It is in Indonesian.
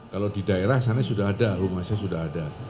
kalau di daerah sana sudah ada rumahnya sudah ada